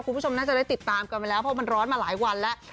คุณผู้ชมน่าจะได้ติดตามกันมาแล้วเพราะมันร้อนมาหลายวันแล้ว